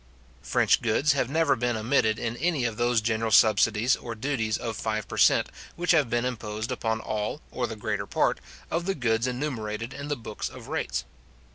French goods have never been omitted in any of those general subsidies or duties of five per cent. which have been imposed upon all, or the greater part, of the goods enumerated in the book of rates.